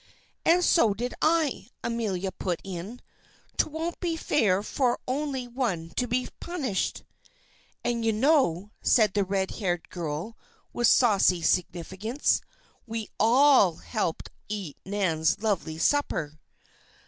"And so did I," Amelia put in. "'Twon't be fair for only one to be punished." "And you know," said the red haired girl, with saucy significance, "we all helped eat Nan's lovely supper."